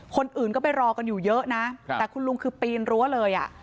คนอื่นก็ไปรอกันอยู่เยอะนะแต่คุณลุงคือปีนรั้วเลยอ่ะ